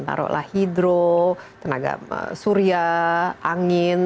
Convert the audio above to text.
taruhlah hidro tenaga surya angin